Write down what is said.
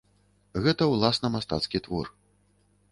Гэта ўласна мастацкі твор.